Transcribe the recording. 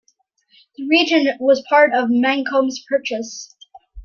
The region was part of Macomb's Purchase.